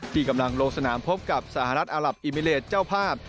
ที่กำลังลงสนามพบกับสหรัฐอารับอิมิเลสเจ้าภาพ